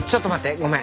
ごめん。